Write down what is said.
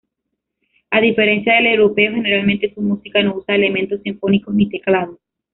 A diferencia del europeo, generalmente su música no usa elementos sinfónicos ni teclados.